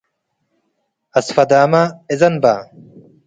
አስፈዳመ እዘን በ።?